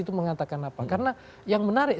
itu mengatakan apa karena yang menarik